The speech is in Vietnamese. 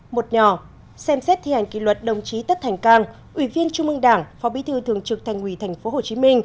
một nhỏ xem xét thi hành kỳ luật đồng chí tất thành cang ủy viên trung ương đảng phó bí thư thường trực thành quỳ tp hcm